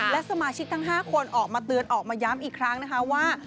และสมาชิกทั้ง๕คนออกมาเตือนออกมาย้ำอีกครั้งนะคะว่า